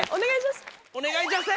お願い。